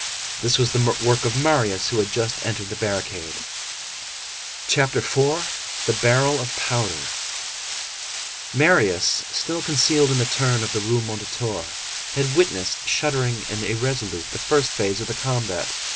This was the work of Marius, who had just entered the barricade. CHAPTER IV—THE BARREL OF POWDER Marius, still concealed in the turn of the Rue Mondétour, had witnessed, shuddering and irresolute, the first phase of the combat.